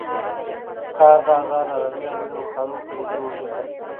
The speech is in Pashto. د کار بازار د ازادي راډیو د مقالو کلیدي موضوع پاتې شوی.